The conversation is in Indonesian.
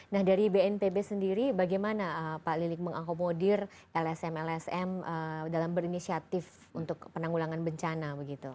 nah dari bnpb sendiri bagaimana pak lilik mengakomodir lsm lsm dalam berinisiatif untuk penanggulangan bencana